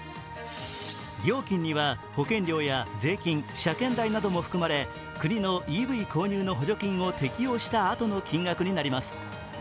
料金には保険料や税金、車検代なども含まれ国のＥＶ購入の補助金を適用したあとの金額になります。